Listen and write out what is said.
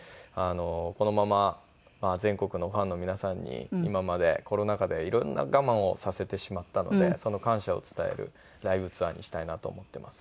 このまま全国のファンの皆さんに今までコロナ禍で色んな我慢をさせてしまったのでその感謝を伝えるライブツアーにしたいなと思っています。